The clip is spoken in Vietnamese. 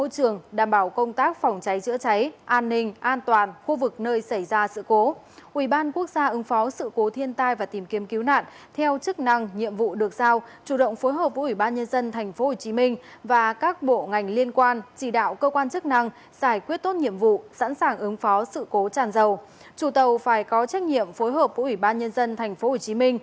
chủ tàu phải có trách nhiệm phối hợp với ủy ban nhân dân tp hcm